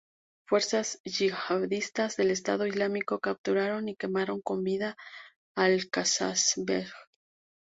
Fuerzas yihadistas del Estado Islámico capturaron y quemaron con vida a Al-Kasasbeh.